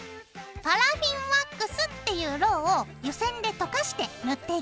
パラフィンワックスっていうロウを湯煎で溶かして塗っていくよ。